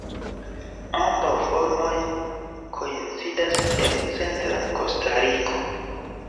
Ambaŭ formoj koincidas en centra Kostariko.